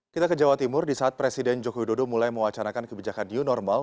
kita ke jawa timur di saat presiden joko widodo mulai mewacanakan kebijakan new normal